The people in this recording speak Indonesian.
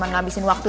walau betapa tak hobi